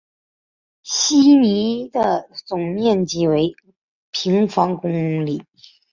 希尼的总面积为平方公里。